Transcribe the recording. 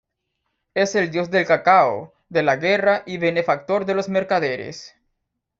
Es el dios del cacao, de la guerra y benefactor de los mercaderes.